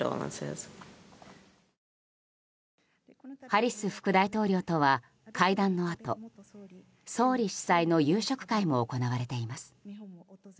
ハリス副大統領とは会談のあと総理主催の夕食会も行われています。